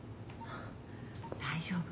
大丈夫。